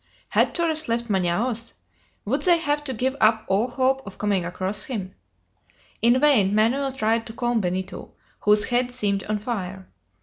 Had Torres left Manaos? Would they have to give up all hope of coming across him? In vain Manoel tried to calm Benito, whose head seemed on fire.